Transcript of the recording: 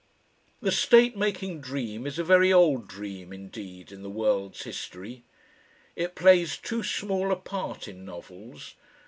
The state making dream is a very old dream indeed in the world's history. It plays too small a part in novels.